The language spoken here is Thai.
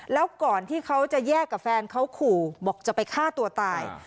แล้วก่อนที่เขาจะแยกกับแฟนเขาขู่บอกจะไปฆ่าตัวตาย